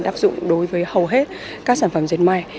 áp dụng đối với hầu hết các sản phẩm diệt may